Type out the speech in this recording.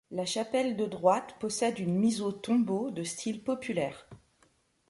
La chapelle de droite possède une Mise au tombeau de style populaire.